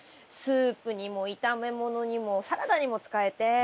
スープにも炒め物にもサラダにも使えて。